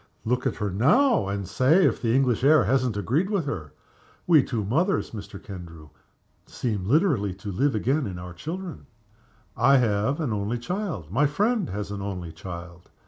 Look at her now, and say if the English air hasn't agreed with her! We two mothers, Mr. Kendrew, seem literally to live again in our children. I have an only child. My friend has an only child.